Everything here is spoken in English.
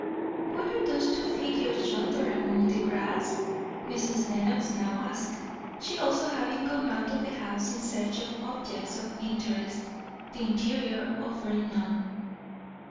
"What are those two figures yonder among the grass?" Mrs. Lenox now asked; she also having come out of the house in search of objects of interest, the interior offering none.